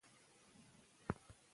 پلار مې ماته د کیسو نوی کتاب راوړ.